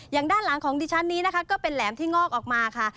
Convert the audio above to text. ด้านหลังของดิฉันนี้นะคะก็เป็นแหลมที่งอกออกมาค่ะ